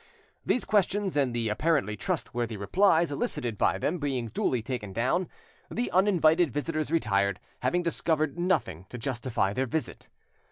These questions and the apparently trustworthy replies elicited by them being duly taken down, the uninvited visitors retired, having discovered nothing to justify their visit.